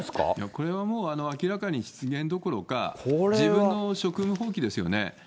これはもう、明らかに失言どころか、自分の職務放棄ですよね。